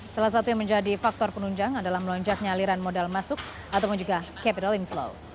salah satu yang menjadi faktor penunjang adalah melonjaknya aliran modal masuk ataupun juga capital inflow